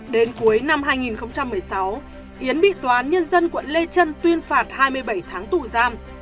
đến cuối năm hai nghìn một mươi sáu yến bị tòa án nhân dân quận lê trân tuyên phạt hai mươi bảy tháng tù giam